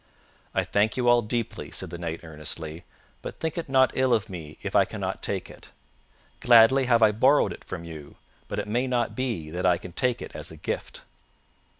"I thank you all deeply," said the Knight earnestly, "but think it not ill of me if I cannot take it. Gladly have I borrowed it from you, but it may not be that I can take it as a gift."